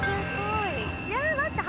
いや待って。